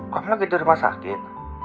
kamu lagi tidur sama sakit